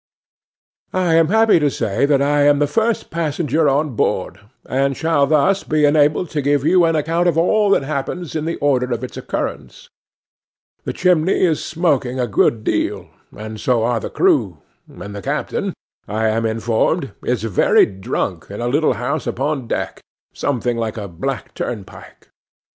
'I am happy to say that I am the first passenger on board, and shall thus be enabled to give you an account of all that happens in the order of its occurrence. The chimney is smoking a good deal, and so are the crew; and the captain, I am informed, is very drunk in a little house upon deck, something like a black turnpike.